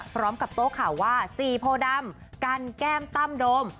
พร้อมกับโต๊ะข่าวว่าสี่โพดำกันแก้มตั้มโดม